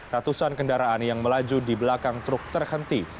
ratusan kendaraan yang melaju di belakang truk terhenti